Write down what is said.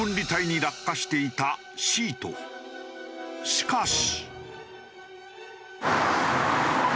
しかし。